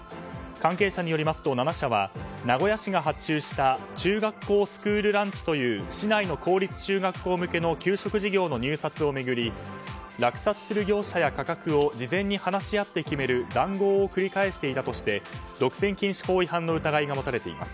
関係者によりますと７社は名古屋市が発注した中学校スクールランチという市内の公立中学校向けの給食事業の入札を巡り落札する業者や価格を事前に話し合って決める談合を繰り返していたとして独占禁止法違反の疑いが持たれています。